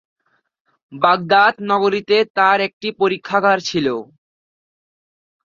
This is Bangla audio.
বাগদাদ নগরীতে তার একটি পরীক্ষাগার ছিল।